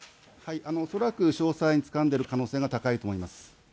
恐らく詳細につかんでる可能性が高いと思います。